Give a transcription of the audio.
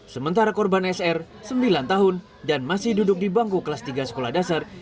sementara korban sr sembilan tahun dan masih duduk di bangku kelas tiga sekolah dasar